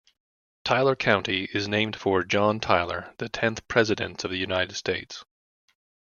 Tyler County is named for John Tyler, the tenth President of the United States.